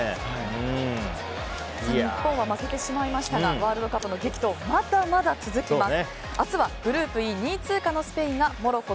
日本は負けてしまいましたがワールドカップの激闘まだまだ続きます。